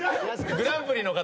グランプリの方。